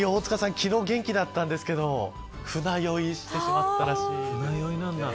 昨日、元気だったんですけど船酔いしてしまったらしい。